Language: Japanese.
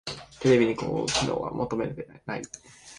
テレビに高機能は求めてない